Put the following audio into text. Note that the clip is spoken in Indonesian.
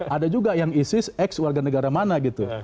ada juga yang isis x warga negara mana gitu